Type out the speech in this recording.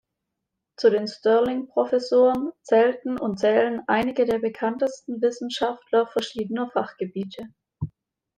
Zu den Sterling Professoren zählten und zählen einige der bekanntesten Wissenschaftler verschiedener Fachgebiete.